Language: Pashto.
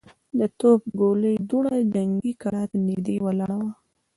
د توپ د ګولۍ دوړه جنګي کلا ته نږدې ولاړه وه.